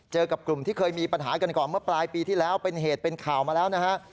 กับกลุ่มที่เคยมีปัญหากันก่อนเมื่อปลายปีที่แล้วเป็นเหตุเป็นข่าวมาแล้วนะฮะ